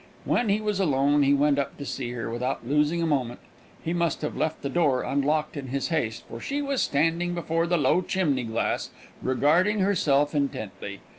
When he was alone he went up to see her, without losing a moment. He must have left the door unlocked in his haste, for she was standing before the low chimney glass, regarding herself intently.